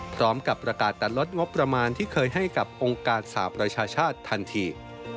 พร้อมกับประกาศตัดลดงบประมาณที่เคยให้กับองค์การสหประชาชาติทันที